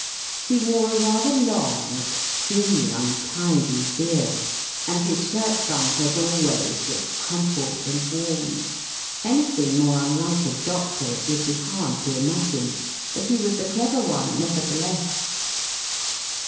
He wore a rather long, extremely untidy beard, and his shirt front as always was crumpled and worn. Anything more unlike a doctor it would be hard to imagine. But he was a clever one, nevertheless.